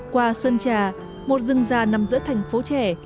qua sơn trà một rừng già nằm giữa thành phố trẻ